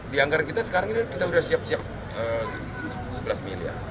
di anggaran kita sekarang ini kita sudah siap siap sebelas miliar